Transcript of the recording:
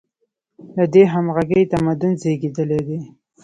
له دې همغږۍ تمدن زېږېدلی دی.